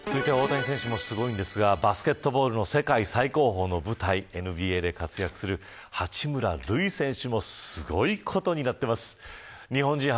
続いては、大谷選手もすごいんですがバスケットボールの世界最高峰の舞台、ＮＢＡで活躍する八村塁選手もすごいことになっています。